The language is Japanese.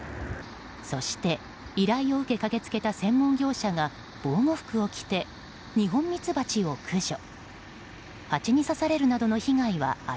そして、依頼を受け駆けつけた専門業者が防護服を着てニホンミツバチを駆除。